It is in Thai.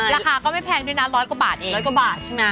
ราคาก็ไม่แพงด้วยนะร้อยกว่าบาทเอง